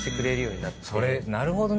なるほどな。